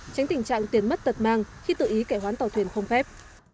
tránh tình trạng tiền mất tật mang khi tự ý cải hoán tàu thuyền không phép